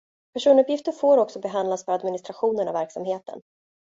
Personuppgifter får också behandlas för administrationen av verksamheten.